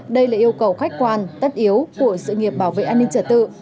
đây là yêu cầu khách quan tất yếu của sự nghiệp bảo vệ an ninh trật tự